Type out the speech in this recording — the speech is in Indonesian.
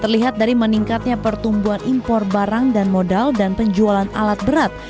terlihat dari meningkatnya pertumbuhan impor barang dan modal dan penjualan alat berat